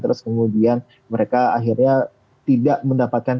terus kemudian mereka akhirnya tidak mendapatkan